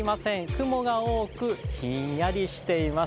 雲が多く、ひんやりしています。